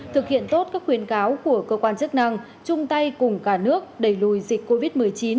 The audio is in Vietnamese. thực hiện tốt các khuyến cáo của cơ quan chức năng chung tay cùng cả nước đẩy lùi dịch covid một mươi chín